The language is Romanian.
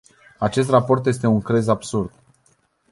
Acest raport este un crez absurd.